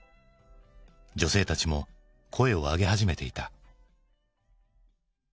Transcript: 女性たちも声を上げ始めていた。